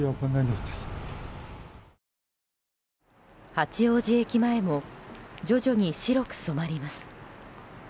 八王子駅前も徐々に白く染まります。